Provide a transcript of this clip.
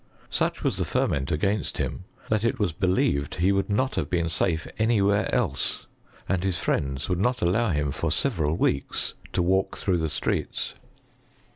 Such was the ferment against him that it was believed he would not have been safe any where else ; and his friends would not allow him, for several weeks, to walk through the Streets.